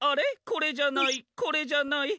これじゃないこれじゃない。